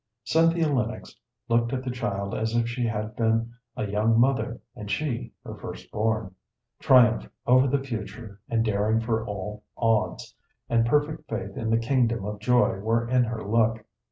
Cynthia Lennox looked at the child as if she had been a young mother, and she her first born; triumph over the future, and daring for all odds, and perfect faith in the kingdom of joy were in her look.